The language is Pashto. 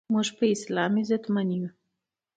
مونږ په اسلام عزتمند یو